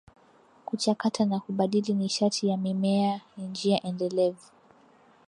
Kuchakata na kubadili nishati ya mimea ni njia endelevu